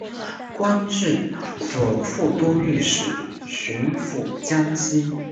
官至左副都御史巡抚江西。